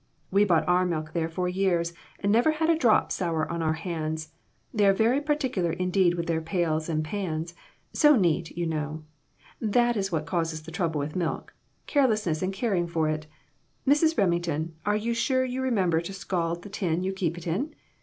We bought our milk there for years, and never had a drop sour on our hands. They are very particular indeed with their pails and pans so neat, you know. That is what causes the trouble with milk carelessness in caring for it. Mrs. Remington, are you sure you remember to scald the tin you keep it in